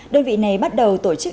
đơn vị này bắt đầu tổ chức